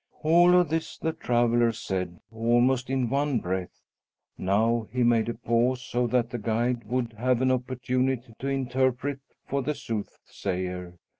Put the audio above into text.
'" All of this the traveller said almost in one breath. Now he made a pause, so that the guide would have an opportunity to interpret for the soothsayer.